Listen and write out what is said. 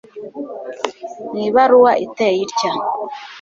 mu ibaruwa iteye itya